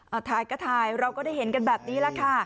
เอาถ่ายก็ถ่ายเราก็ได้เห็นกันแบบนี้แหละค่ะ